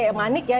eh manik ya